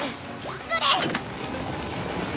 それ！